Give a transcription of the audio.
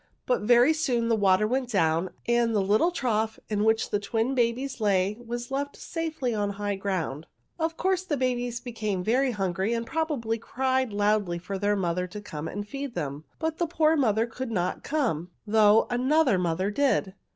But very soon the water went down, and the little trough in which the twin babies lay was left safely on high ground. Of course the babies became very hungry and probably cried loudly for their mother to come and feed them. But the poor mother could not come, though another mother did.